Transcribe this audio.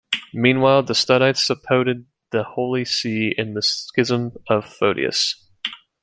Meanwhile, the Studites suppoted the Holy See in the scisim of Photius.